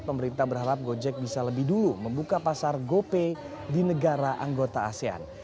pemerintah berharap gojek bisa lebih dulu membuka pasar gopay di negara anggota asean